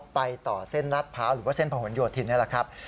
ไปต่อเส้นรัฐภาหรือว่าเส้นผนโยทินนะครับ